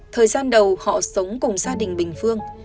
thời gian đầu họ sống cùng gia đình bình phương